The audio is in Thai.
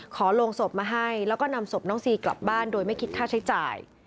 ลงศพมาให้แล้วก็นำศพน้องซีกลับบ้านโดยไม่คิดค่าใช้จ่าย